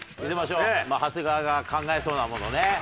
まあ長谷川が考えそうなものね。